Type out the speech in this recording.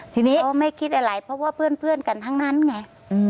ทีนี้ก็ไม่คิดอะไรเพราะว่าเพื่อนกันทั้งนั้นไง